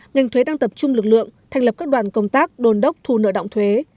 ngành thuế đang tập trung lực lượng thành lập các đoàn công tác đồn đốc thu nợ động thuế